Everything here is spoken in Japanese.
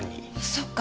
そっか。